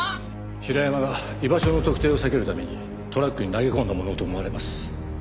平山が居場所の特定を避けるためにトラックに投げ込んだものと思われます。